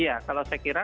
iya kalau saya kira